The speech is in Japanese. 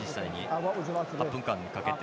８分間かけて。